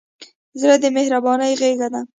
زړه د مهربانۍ غېږه ده.